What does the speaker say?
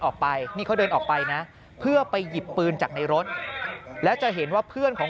ออกไปนี่เขาเดินออกไปนะเพื่อไปหยิบปืนจากในรถแล้วจะเห็นว่าเพื่อนของ